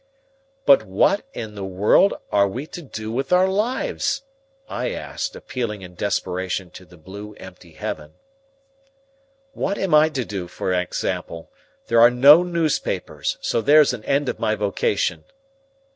"But what in the world are we to do with our lives?" I asked, appealing in desperation to the blue, empty heaven. "What am I to do, for example? There are no newspapers, so there's an end of my vocation."